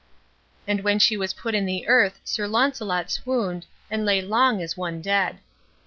And when she was put in the earth Sir Launcelot swooned, and lay long as one dead.